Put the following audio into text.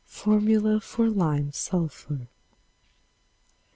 Formula for Lime Sulphur.